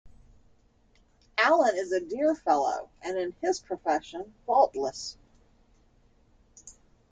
Allan is a dear fellow, and in his profession faultless.